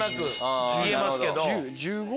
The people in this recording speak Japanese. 言えますけど。